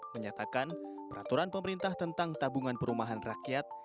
menyatakan peraturan pemerintah tentang tabungan perumahan rakyat